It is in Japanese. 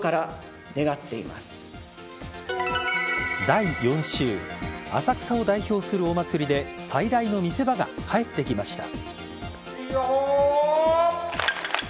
第４週浅草を代表するお祭りで最大の見せ場が帰ってきました。